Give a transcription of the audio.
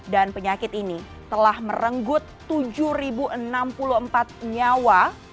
dan penyakit ini telah merenggut tujuh enam puluh empat nyawa